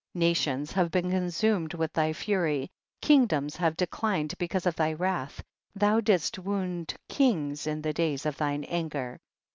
11. Nations have been consumed with thy fury, kingdoms have de clined because of thy wrath, thou didst wound kings in the day of tlune anger.